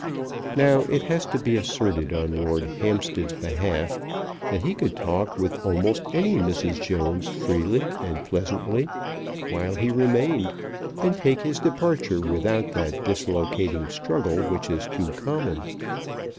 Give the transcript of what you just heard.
Now it has to be asserted on Lord Hampstead's behalf that he could talk with almost any Mrs. Jones freely and pleasantly while he remained, and take his departure without that dislocating struggle which is too common.